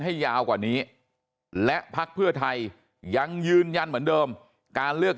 ให้ยาวกว่านี้และพักเพื่อไทยยังยืนยันเหมือนเดิมการเลือก